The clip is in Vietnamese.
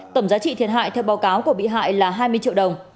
tổng giá trị thiệt hại theo báo cáo của bị hại là hai mươi triệu đồng